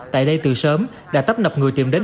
tại đây từ sớm đã tấp nập người tìm đến